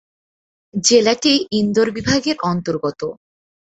জেলাটি ইন্দোর বিভাগের অন্তর্গত।